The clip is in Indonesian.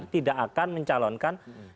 tidak akan mencalonkan